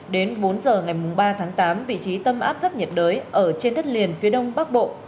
đến bốn h ngày ba tháng tám vị trí tâm áp thấp nhiệt đới ở trên đất liền phía đông bắc bộ